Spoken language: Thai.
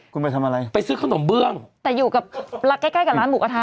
คุณไปทำอะไรไปซื้อขนมเบื้องแต่อยู่กับใกล้ใกล้กับร้านหมูกระทะ